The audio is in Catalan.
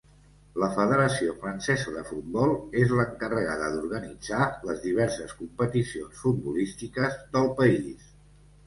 La Federació Francesa de Futbol és l'encarregada d'organitzar les diverses competicions futbolístiques del país.